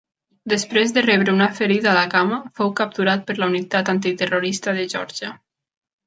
Després de rebre una ferida a la cama, fou capturat per la unitat antiterrorista de Geòrgia.